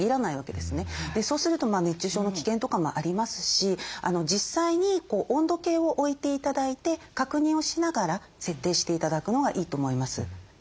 そうすると熱中症の危険とかもありますし実際に温度計を置いて頂いて確認をしながら設定して頂くのがいいと思います。